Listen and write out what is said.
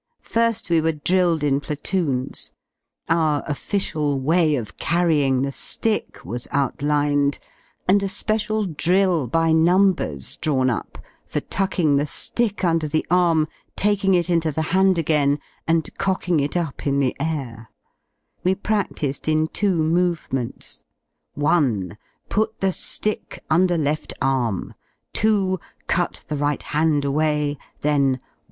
Fir^ we were drilled in platoons: our official way of carrying the ^ick was outlined, and a special drill, by numbers, drawn up, for tucking the ^ick under the arm, 31 i> ie g, J taking it into the hand again, and cocking it up in the air We pradlised in two movements : 1. Put the ^ick under left arm; 2. Cut the right hand away; then 1.